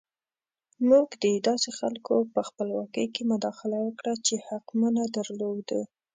موږ د داسې خلکو په خپلواکۍ کې مداخله وکړه چې حق مو نه درلود.